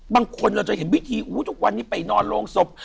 บางคนเราจะเห็นพิธีทุกวันนี้ไปนอนโรงศพ